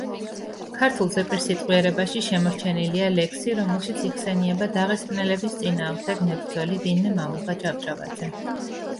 ქართულ ზეპირსიტყვიერებაში შემორჩენილია ლექსი, რომელშიც იხსენიება დაღესტნელების წინააღმდეგ მებრძოლი ვინმე მამუკა ჭავჭავაძე.